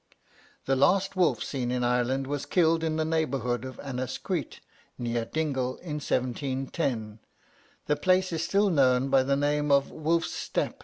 "The last wolf seen in Ireland was killed in the neighbourhood of Annascuit, near Dingle, in 1710. The place is still known by the name of the Wolf's Step.